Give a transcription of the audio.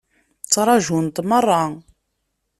Ttṛajunt meṛṛa.